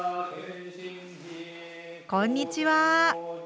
こんにちは。